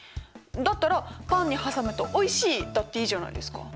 だったら「パンに挟むとおいしい」だっていいじゃないですか。